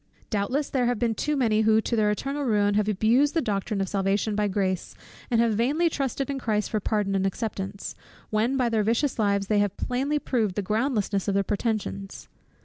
Doubtless there have been too many who, to their eternal ruin, have abused the doctrine of Salvation by Grace; and have vainly trusted in Christ for pardon and acceptance, when by their vicious lives they have plainly proved the groundlessness of their pretensions.